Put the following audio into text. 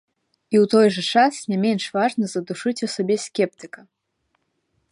І ў той жа час не менш важна задушыць у сабе скептыка.